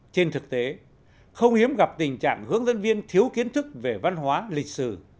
trên thực tế không hiếm gặp tình trạng hướng dẫn viên thiếu kiến thức về văn hóa lịch sử